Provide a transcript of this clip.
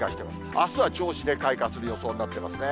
あすは、銚子で開花する予想になってますね。